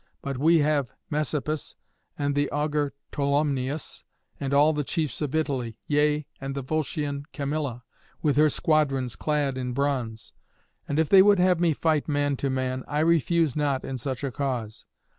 But we have Messapus, and the augur Tolumnius, and all the chiefs of Italy, yea and the Volscian Camilla, with her squadrons clad in bronze. And if they would have me fight man to man, I refuse not in such a cause.